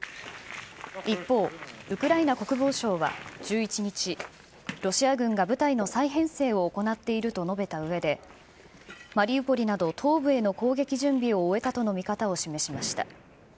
一方、ウクライナ国防省は１１日、ロシア軍が部隊の再編成を行っていると述べたうえで、マリウポリなど東部への攻撃準備を終えたとの見方を示しました。